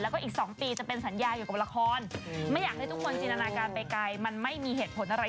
แล้วก็อีก๒ปีจะเป็นสัญญาอยู่กับละครไม่อยากให้ทุกคนจินตนาการไปไกลมันไม่มีเหตุผลอะไร